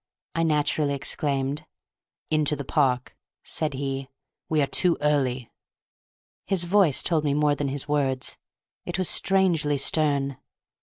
I naturally exclaimed. "Into the park," said he. "We are too early." His voice told me more than his words. It was strangely stern.